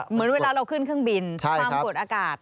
เหมือนเวลาเราขึ้นเครื่องบินความกดอากาศ